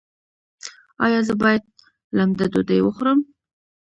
ایا زه باید لمده ډوډۍ وخورم؟